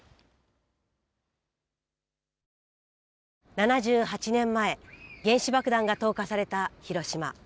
７８年前原子爆弾が投下された広島。